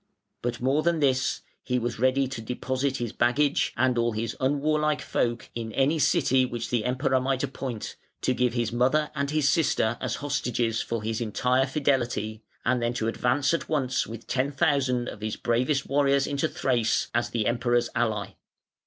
But more than this, he was ready to deposit his baggage and all his unwarlike folk in any city which the Emperor might appoint, to give his mother and his sister as hostages for his entire fidelity, and then to advance at once with ten thousand of his bravest warriors into Thrace, as the Emperor's ally.